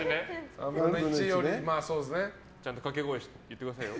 ちゃんとかけ声言ってくださいよ。